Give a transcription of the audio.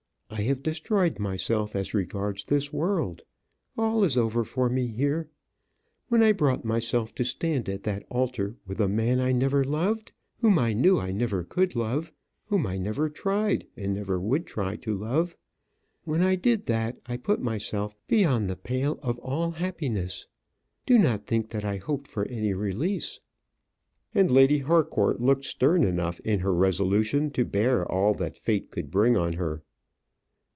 I have destroyed myself as regards this world. All is over for me here. When I brought myself to stand at that altar with a man I never loved; whom I knew I never could love whom I never tried, and never would try to love when I did that, I put myself beyond the pale of all happines. Do not think that I hope for any release." And Lady Harcourt looked stern enough in her resolution to bear all that fate could bring on her.